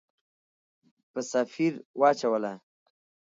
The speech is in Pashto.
په سفیر واچوله.